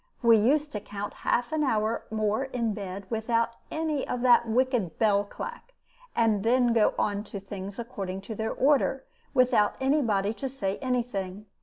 We used to count half an hour more in bed, without any of that wicked bell clack, and then go on to things according to their order, without any body to say any thing.